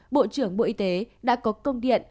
bộ trưởng bộ y tế đã có công điện